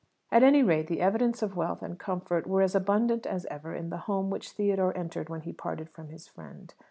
At any rate, the evidences of wealth and comfort were as abundant as ever in the home which Theodore entered when he parted from his friend.